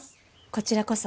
こちらこそ。